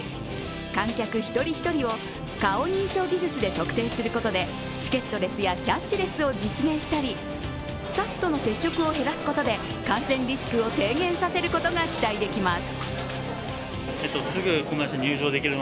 観客一人一人を顔認証技術で特定することでチケットレスやキャッシュレスを実現したり、スタッフとの接触を減らすことで感染リスクを低減させることが期待できます。